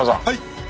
はい。